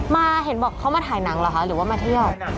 มาเห็นบอกเขามาถ่ายหนังเหรอคะหรือว่ามาเที่ยว